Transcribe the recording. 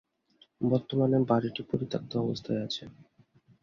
বর্তমানে বাড়িটি পরিত্যক্ত অবস্থায় আছে।